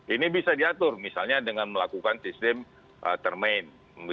ini bisa diatur misalnya dengan melakukan sistem termain